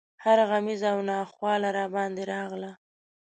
هره غمیزه او ناخواله راباندې راغله.